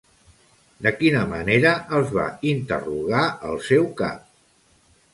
De quina manera els va interrogar el seu cap?